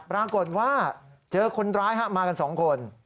ปรากฏว่าเจอคนร้ายมากัน๒คน